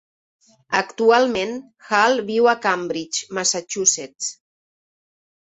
Actualment, Halle viu a Cambridge, Massachusetts.